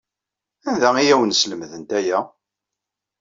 Anda ay awen-slemdent aya?